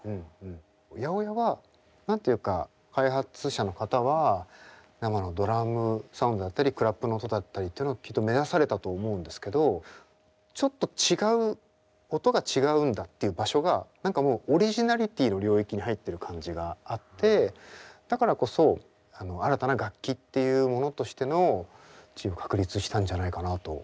８０８は何ていうか開発者の方は生のドラムサウンドだったりクラップの音だったりってのをきっと目指されたと思うんですけどちょっと違う音が違うんだっていう場所が何かもうオリジナリティーの領域に入ってる感じがあってだからこそ新たな楽器っていうものとしての地位を確立したんじゃないかなと思います。